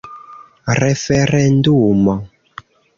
referendumo